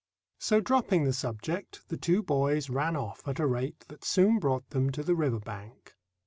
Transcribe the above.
So dropping the subject, the two boys ran off at a rate that soon brought them to the river bank.